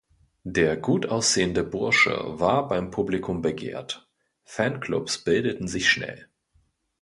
Der gutaussehende Bursche war beim Publikum begehrt, Fan-Clubs bildeten sich schnell.